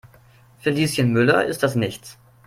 Für Lieschen Müller ist das nichts.